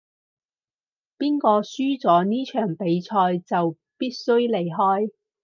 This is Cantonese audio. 邊個輸咗呢場比賽就必須離開